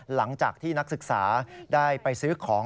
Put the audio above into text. หลังจากที่นักศึกษาได้ไปซื้อของ